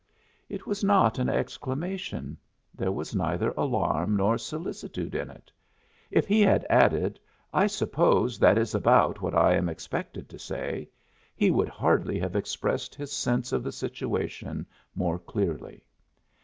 It was not an exclamation; there was neither alarm nor solicitude in it. If he had added: "I suppose that is about what I am expected to say," he would hardly have expressed his sense of the situation more clearly.